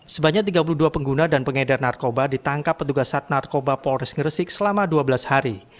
sebanyak tiga puluh dua pengguna dan pengedar narkoba ditangkap petugas sat narkoba polres gresik selama dua belas hari